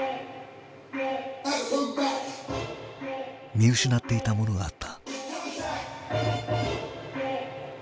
見失っていたものがあった。